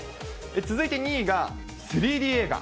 続いて２位が、３Ｄ映画。